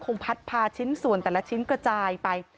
พัดพาชิ้นส่วนแต่ละชิ้นกระจายไป